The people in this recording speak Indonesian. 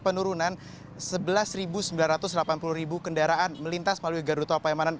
penurunan sebelas sembilan ratus delapan puluh kendaraan melintas melalui gardu tol palimanan